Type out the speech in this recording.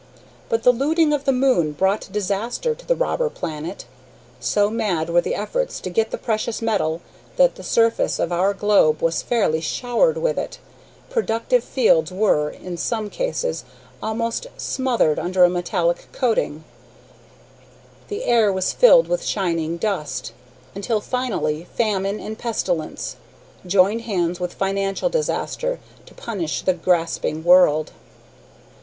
But the looting of the moon brought disaster to the robber planet. So mad were the efforts to get the precious metal that the surface of our globe was fairly showered with it, productive fields were, in some cases, almost smothered under a metallic coating, the air was filled with shining dust, until finally famine and pestilence joined hands with financial disaster to punish the grasping world.